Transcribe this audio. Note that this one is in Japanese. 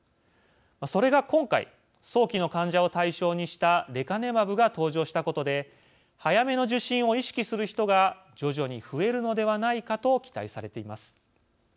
それが今回早期の患者を対象にしたレカネマブが登場したことで早めの受診を意識する人が徐々に増えるのではないかと期待されています。